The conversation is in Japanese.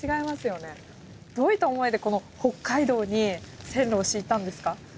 どういった思いでこの北海道に線路を敷いたんですか？